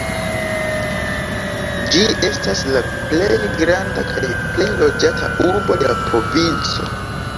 Ĝi estas la plej granda kaj plej loĝata urbo de la provinco.